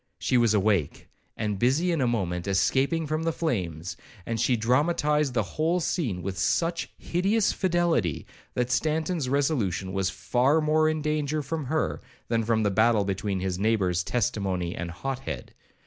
She was awake, and busy in a moment escaping from the flames; and she dramatized the whole scene with such hideous fidelity, that Stanton's resolution was far more in danger from her than from the battle between his neighbours Testimony and Hothead.